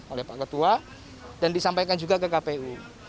oleh pak ketua dan disampaikan juga ke kpu